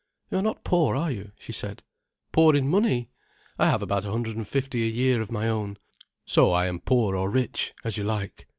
"You are not poor, are you?" she said. "Poor in money? I have about a hundred and fifty a year of my own—so I am poor or rich, as you like.